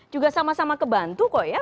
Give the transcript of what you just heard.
juga sama sama kebantu kok ya